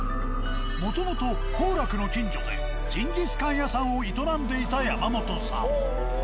もともと「幸楽」の近所でジンギスカン屋さんを営んでいた山本さん。